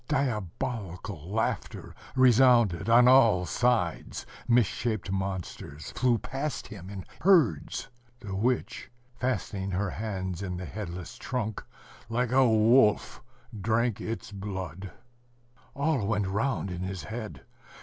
Diabolical laughter resounded on all sides. Misshaped monsters flew past him in herds. The witch, fastening her hands in the headless trunk, like a wolf drank its blood. ... All went round in his head.